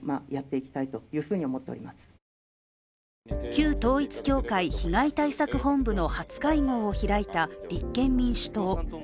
旧統一教会被害対策本部の初会合を開いた立憲民主党。